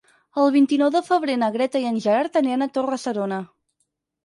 El vint-i-nou de febrer na Greta i en Gerard aniran a Torre-serona.